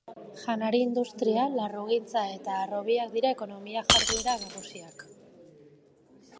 Janari industria, larrugintza eta harrobiak dira ekonomia jarduera nagusiak.